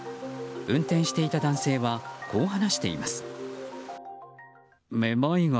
運転していた男性はこう話しています。